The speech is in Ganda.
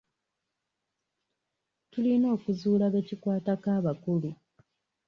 Tulina okuzuula be kikwatako abakulu.